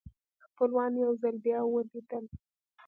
خپلوان یو ځل بیا ولیدل.